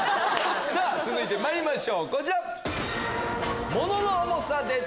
続いてまいりましょうこちら。